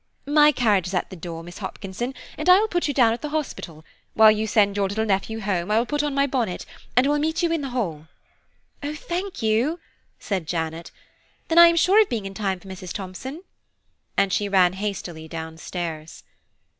"My carriage is at the door, Miss Hopkinson, and I will put you down at the hospital; while you send your little nephew home, I will put on my bonnet, and we will meet you in the hall." "Oh, thank you," said Janet, "then I am sure of being in time for Mrs. Thomson," and she ran hastily down stairs.